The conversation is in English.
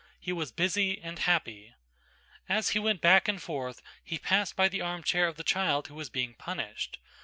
He was busy and happy. As he went back and forth he passed by the armchair of the child who was being punished.